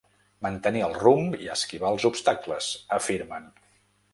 Mantenir el rumb i esquivar els obstacles, afirmen.